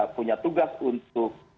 punya tugas untuk